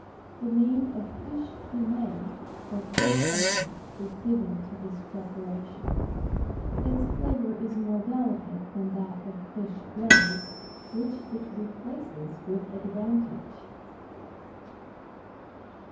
The name of fish fumet or fish essence is given to this preparation ; its flavour is more delicate than that of fish glaze, which it replaces with advantage.